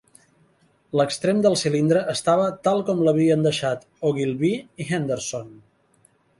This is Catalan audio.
L'extrem del cilindre estava tal com l'havien deixat Ogilvy i Henderson.